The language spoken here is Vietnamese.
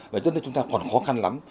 và rất là chúng ta còn khó khăn lắm